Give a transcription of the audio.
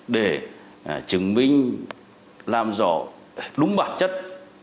để chứng minh làm rõ đúng bản chất